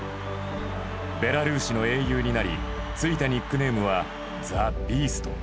ベラルーシの英雄になりついたニックネームはザ・ビースト。